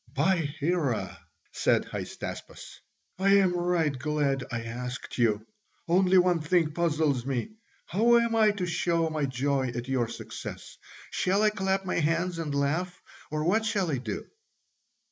"By Hera," said Hystaspas, "I am right glad I asked you. Only one thing puzzles me: how am I to show my joy at your success? Shall I clap my hands and laugh, or what shall I do?"